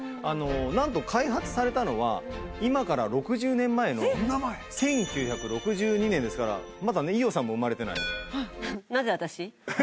なんと開発されたのは今から６０年前の１９６２年ですからまだ伊代さんも生まれてない。